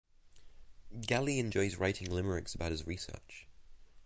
Galli enjoys writing limericks about his research.